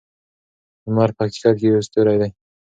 لمر په حقیقت کې یو ستوری دی.